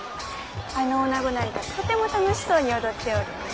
あのおなごなんかとても楽しそうに踊っておる。